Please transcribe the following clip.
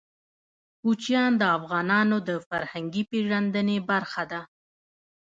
کوچیان د افغانانو د فرهنګي پیژندنې برخه ده.